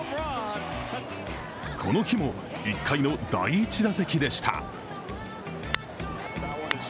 この日も、１回の第１打席でした。